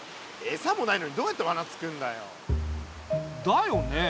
エサもないのにどうやってわなつくるんだよ。だよね。